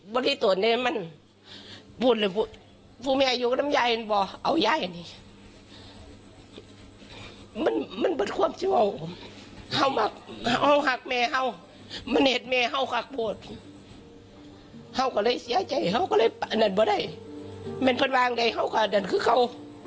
เป็นคนบ้างใดเฮ้าก็คือเขา